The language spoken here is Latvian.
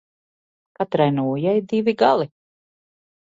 Katrai nūjai divi gali.